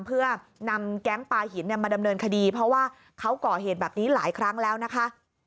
เพื่อนำแก๊งปลาหินมาดำเนินคดีเพราะว่าเขาก่อเหตุแบบนี้หลายครั้งแล้วนะคะ